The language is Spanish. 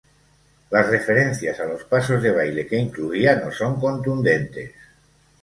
Las referencias a los pasos de baile que incluía no son contundentes.